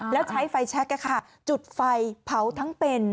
แล้วใช้ไฟแชคจุดไฟเผาทั้งเป็น